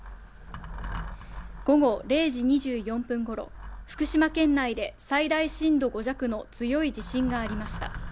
午後０時２４分ごろ、福島県内で最大震度５弱の強い地震がありました。